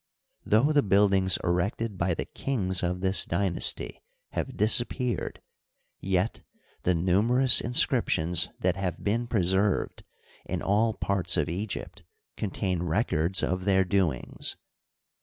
Though the buildmgs erected by the kmgs of this dynasty have disappeared, yet the numerous inscnptions that have been preserved in all parts of Egypt contain records of their doings.